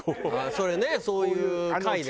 それねそういう会でね。